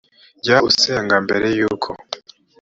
jya usenga mbere y uko